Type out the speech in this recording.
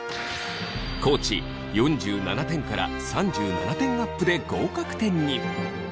地４７点から３７点アップで合格点に！